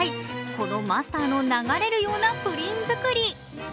このマスターの流れるようなプリン作り。